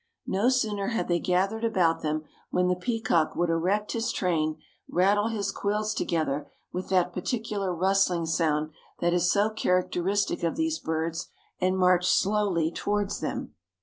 No sooner had they gathered about them, when the peacock would erect his train, rattle his quills together with that peculiar rustling sound that is so characteristic of these birds, and march slowly toward them.